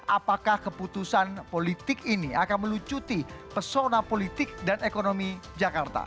apakah keputusan politik ini akan melucuti pesona politik dan ekonomi jakarta